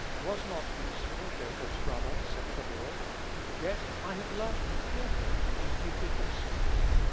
Was not Esau Jacob's brother? saith the Lord: yet I have loved Jacob and hated Esau."